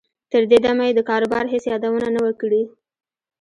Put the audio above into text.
تر دې دمه یې د کاروبار هېڅ یادونه نه وه کړې